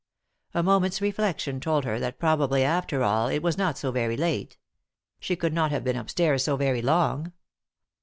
A moment's reflection told her that probably after all it was not so very late. She could not have been upstairs so very long.